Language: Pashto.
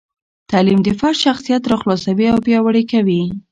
تعلیم د فرد شخصیت راخلاصوي او پیاوړي کوي.